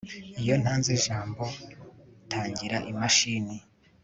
Iyo ntanze ijambo tangira imashini